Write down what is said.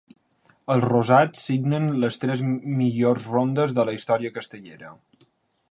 Els rosats signen les tres millors rondes de la història castellera.